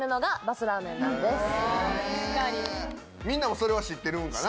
みんなもそれは知ってるのかな？